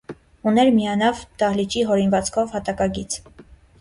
Ուներ միանավ դահլիճի հորինվածքով հատակագիծ։